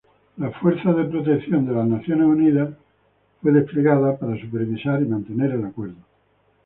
El United Nations Protection Force fue desplegado para supervisar y mantener el acuerdo.